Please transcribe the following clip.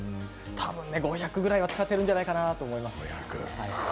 多分５００くらいは使ってるんじゃないかと思います。